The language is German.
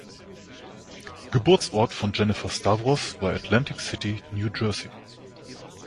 Geburtsort von Jennifer Stavros war Atlantic City, New Jersey.